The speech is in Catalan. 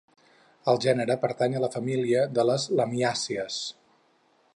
El gènere pertany a la família de les Lamiàcies.